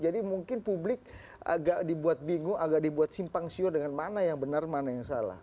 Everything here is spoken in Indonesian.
jadi mungkin publik agak dibuat bingung agak dibuat simpang siu dengan mana yang benar mana yang salah